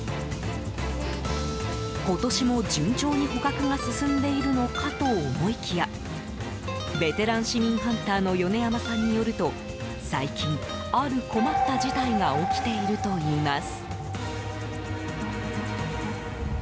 今年も順調に捕獲が進んでいるのかと思いきやベテラン市民ハンターの米山さんによると最近、ある困った事態が起きているといいます。